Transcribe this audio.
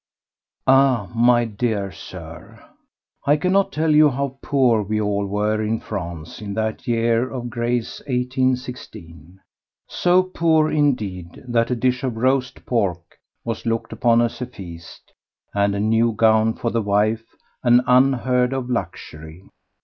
Ah! my dear Sir, I cannot tell you how poor we all were in France in that year of grace 1816—so poor, indeed, that a dish of roast pork was looked upon as a feast, and a new gown for the wife an unheard of luxury.